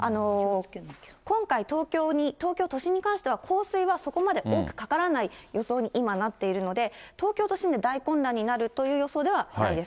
今回、東京に、東京都心に関しては、降水はそこまで多くかからない予想に今、なっているので、東京都心で大混乱になるという予想ではないです。